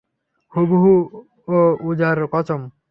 হুবল ও উযার কসম।